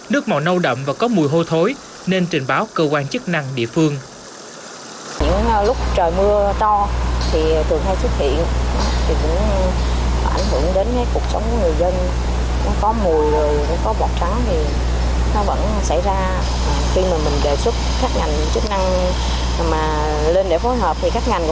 nước màu nâu đậm và có mùi hô thối nên trình báo cơ quan chức năng địa phương